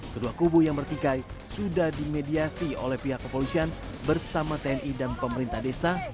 kedua kubu yang bertikai sudah dimediasi oleh pihak kepolisian bersama tni dan pemerintah desa